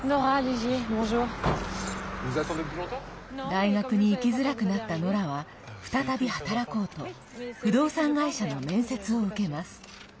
大学に行きづらくなったノラは再び働こうと不動産会社の面接を受けます。